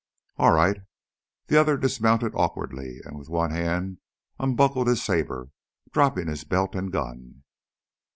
"All right." The other dismounted awkwardly, and with one hand unbuckled his saber, dropping his belt and gun.